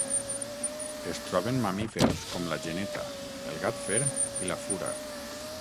Es troben mamífers com la geneta, el gat fer i la fura.